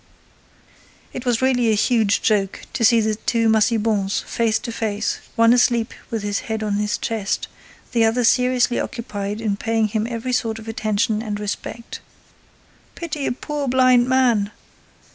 It was really a huge joke to see the two Massibans face to face, one asleep with his head on his chest, the other seriously occupied in paying him every sort of attention and respect: "Pity a poor blind man!